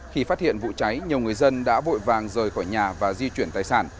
khi phát hiện vụ cháy nhiều người dân đã vội vàng rời khỏi nhà và di chuyển tài sản